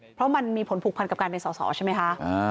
เพราะมันมีผลผูกพันกับการเป็นสอสอใช่ไหมคะ